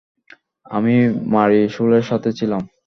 আমি মারিসোলের সাথে ছিলাম।